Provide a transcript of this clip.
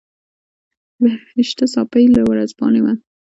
بهشته صافۍ له ورځپاڼې وه.